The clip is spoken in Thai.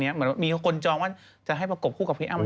โอลี่คัมรี่ยากที่ใครจะตามทันโอลี่คัมรี่ยากที่ใครจะตามทัน